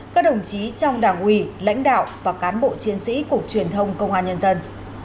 các đồng chí trong đảng ủy lãnh đạo và cán bộ chiến sĩ cục truyền thông công an nhân dân